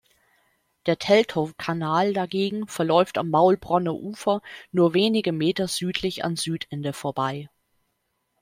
Der Teltowkanal dagegen verläuft am Maulbronner Ufer nur wenige Meter südlich an Südende vorbei.